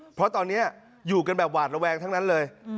เพราะตอนนี้อยู่กันแบบหวาดระแวงทั้งนั้นเลย